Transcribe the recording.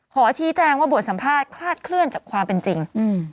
ขอชี้แจงว่าบทสัมภาษณ์คลาดเคลื่อนจากความเป็นจริง